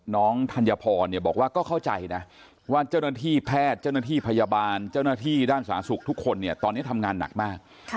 ธัญพรบอกว่าก็เข้าใจนะว่าเจ้าหน้าที่แพทย์เจ้าหน้าที่พยาบาลเจ้าหน้าที่ด้านสาธารณสุขทุกคนเนี่ยตอนนี้ทำงานหนักมาก